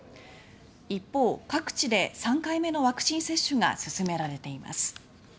一方、各地で３回目のワクチン接種が進められています。